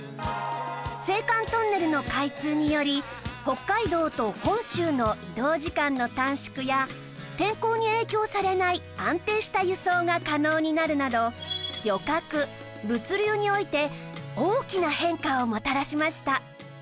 青函トンネルの開通により北海道と本州の移動時間の短縮や天候に影響されない安定した輸送が可能になるなどをもたらしました